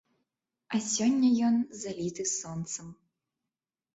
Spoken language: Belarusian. А сёння ён заліты сонцам.